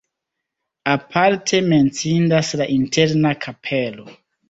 Aparte menciindas la interna kapelo.